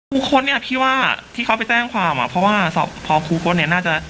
คูคล็อตเนี่ยพี่ว่าที่เขาไปแจ้งความอ่ะเพราะว่าพอคูคล็อตเนี่ยน่าจะ